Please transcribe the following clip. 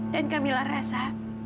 dan kamila rasa